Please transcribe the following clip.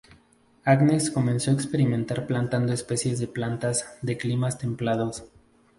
Agnes comenzó a experimentar plantando especies de plantas de climas templados.